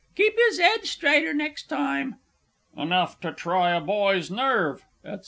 Keep his 'ed straighter next time.... Enough to try a boy's nerve! &c.